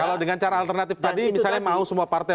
kalau dengan cara alternatif tadi misalnya mau semua partai